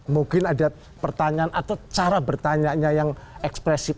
mungkin ada pertanyaan atau cara bertanya yang ekspresif